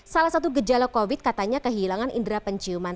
salah satu gejala covid katanya kehilangan indera penciuman